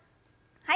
はい。